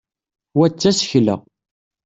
wa d tasekla